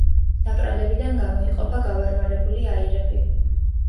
ნაპრალებიდან გამოიყოფა გავარვარებული აირები.